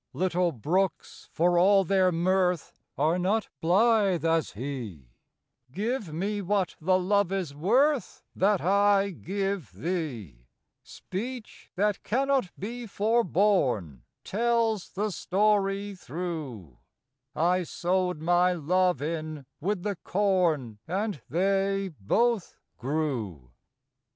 Little brooks for all their mirth Are not blythe as he " Give me what the love is worth That I give thee. 5 66 FROM QUEENS' GARDENS. " Speech that cannot be forborne Tells the story through : I sowed my love in with the corn, And they both grew.